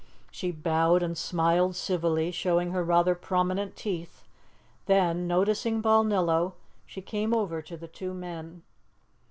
She bowed and smiled civilly, showing her rather prominent teeth, then, noticing Balnillo, she came over to the two men.